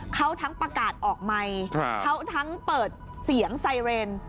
เขาทั้งประกาศออกไมค์เขาทั้งเปิดเสียงไซเรน